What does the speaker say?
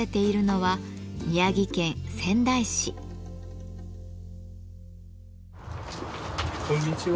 はいこんにちは。